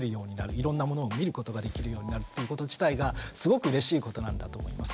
いろんなものを見ることができるようになるっていうこと自体がすごくうれしいことなんだと思います。